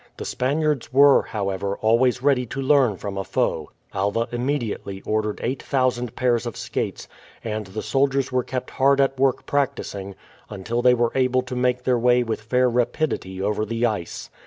The Spaniards were, however, always ready to learn from a foe. Alva immediately ordered eight thousand pairs of skates, and the soldiers were kept hard at work practicing until they were able to make their way with fair rapidity over the ice.